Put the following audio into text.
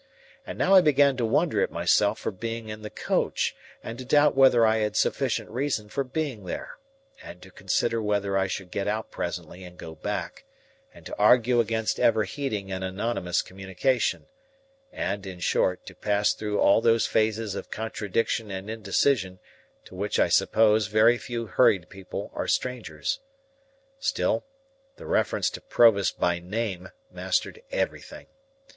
And now I began to wonder at myself for being in the coach, and to doubt whether I had sufficient reason for being there, and to consider whether I should get out presently and go back, and to argue against ever heeding an anonymous communication, and, in short, to pass through all those phases of contradiction and indecision to which I suppose very few hurried people are strangers. Still, the reference to Provis by name mastered everything.